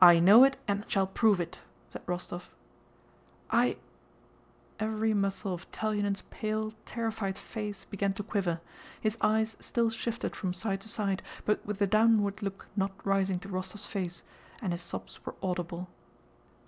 "I know it and shall prove it," said Rostóv. "I..." Every muscle of Telyánin's pale, terrified face began to quiver, his eyes still shifted from side to side but with a downward look not rising to Rostóv's face, and his sobs were audible.